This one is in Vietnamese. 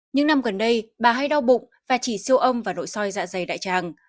những năm gần đây bà hay đau bụng và chỉ siêu âm vào nội soi dạ dày đại tràng